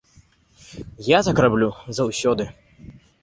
Я так раблю заўсёды.